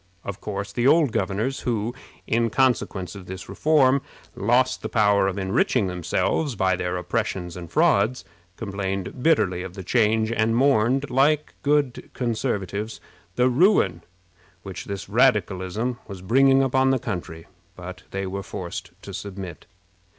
Of course, the old governors, who, in consequence of this reform, lost the power of enriching themselves by their oppressions and frauds, complained bitterly of the change, and mourned, like good Conservatives, the ruin which this radicalism was bringing upon the country, but they were forced to submit.